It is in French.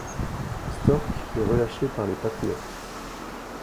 Stork est relâché par les Patriots.